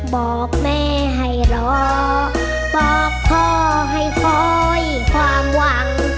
บอกแม่ให้รอบอกพ่อให้คอยความหวัง